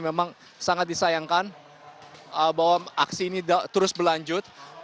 memang sangat disayangkan bahwa aksi ini terus berlanjut